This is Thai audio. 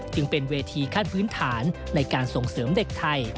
จึงเป็นเวทีขั้นพื้นฐานในการส่งเสริมเด็กไทย